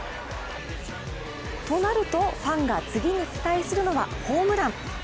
となると、ファンが次に期待するのはホームラン。